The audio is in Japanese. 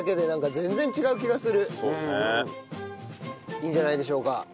いいんじゃないでしょうか。